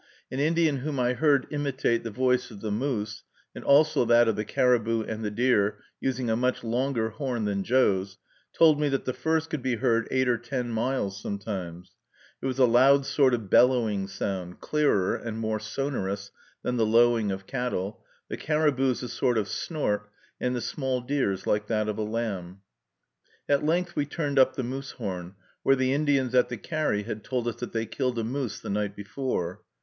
An Indian whom I heard imitate the voice of the moose, and also that of the caribou and the deer, using a much longer horn than Joe's, told me that the first could be heard eight or ten miles, sometimes; it was a loud sort of bellowing sound, clearer and more sonorous than the lowing of cattle, the caribou's a sort of snort, and the small deer's like that of a lamb. At length we turned up the Moosehorn, where the Indians at the carry had told us that they killed a moose the night before.